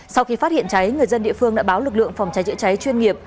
sau khi phát hiện cháy người dân địa phương đã báo lực lượng phòng cháy chữa cháy chuyên nghiệp